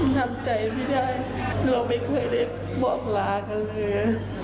ทำใจไม่ได้เราไม่เคยได้บอกลากันเลย